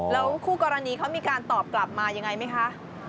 แล้วคู่กรณีเขามีการตอบกลับมายังไงไหมคะ